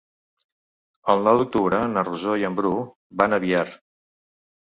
El nou d'octubre na Rosó i en Bru van a Biar.